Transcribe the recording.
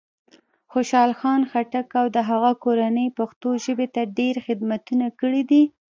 خوشال خان خټک او د هغه کورنۍ پښتو ژبې ته ډېر خدمتونه کړي دی.